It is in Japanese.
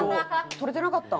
撮れてなかったん？